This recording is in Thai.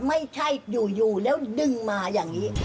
ไม่ใช่อยู่แล้วดึงมาอย่างนี้